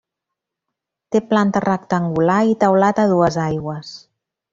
Té planta rectangular i teulat a dues aigües.